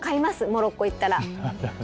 モロッコ行ったら。